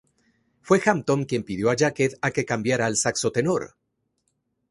Fue Hampton quien pidió a Jacquet a que cambiara al saxo tenor.